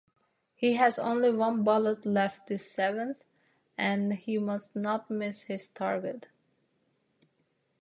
He has only one bullet left-the seventh, and he must not miss his target.